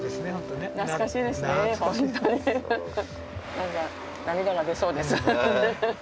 何か涙が出そうです。